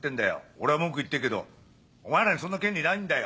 俺は文句言っていいけどお前らにそんな権利ないんだよ。